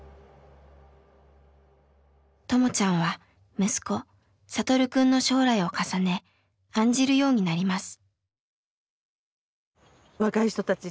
ともちゃんは息子聖くんの将来を重ね案じるようになります。